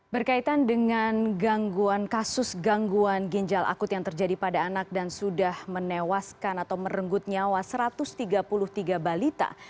berkaitan dengan gangguan kasus gangguan ginjal akut yang terjadi pada anak dan sudah menewaskan atau merenggut nyawa satu ratus tiga puluh tiga balita